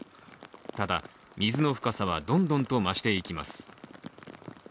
ただ、水の深さはどんどんと増していきます。